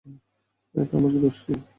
এতে আমার দোষ কী?